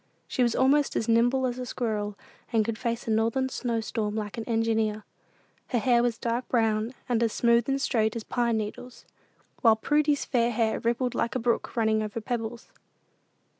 She was almost as nimble as a squirrel, and could face a northern snow storm like an engineer. Her hair was dark brown, and as smooth and straight as pine needles; while Prudy's fair hair rippled like a brook running over pebbles.